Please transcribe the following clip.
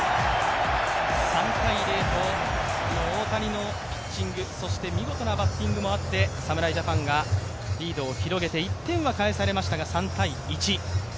３−０と大谷のピッチング、そして見事なバッティングもあって侍ジャパンがリードを広げて１点は返されましたが３−１。